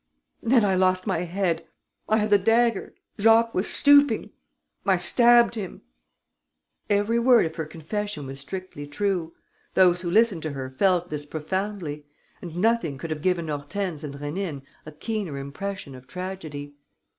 ... Then I lost my head. I had the dagger ... Jacques was stooping ... I stabbed him...." Every word of her confession was strictly true. Those who listened to her felt this profoundly; and nothing could have given Hortense and Rénine a keener impression of tragedy.